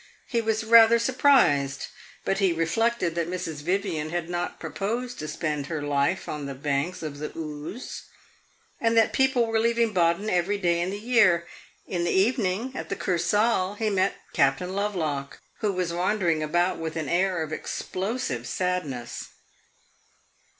He was rather surprised, but he reflected that Mrs. Vivian had not proposed to spend her life on the banks of the Oos, and that people were leaving Baden every day in the year. In the evening, at the Kursaal, he met Captain Lovelock, who was wandering about with an air of explosive sadness.